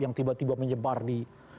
yang tiba tiba menyebar di